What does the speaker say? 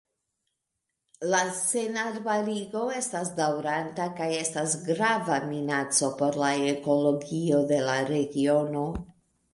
La senarbarigo estas daŭranta kaj estas grava minaco por la ekologio de la regiono.